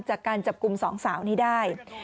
จากการจับกลุ่มสองสาวนี้ได้